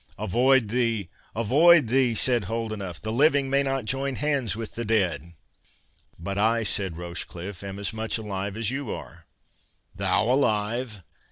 "Avoid thee—Avoid thee!" said Holdenough, "the living may not join hands with the dead." "But I," said Rochecliffe, "am as much alive as you are." "Thou alive!